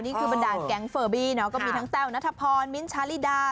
นี่คือบรรดาแก๊งเฟอร์บี้เนอะก็มีทั้งแซวนัทพรมิ้นชาลีดา